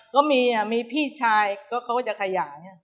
ก็มีอ่ะมีพี่ชายก็เขาก็จะขยายอ่ะ